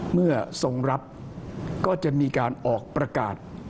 เมื่อทรงรับก็จะมีการออกประกาศ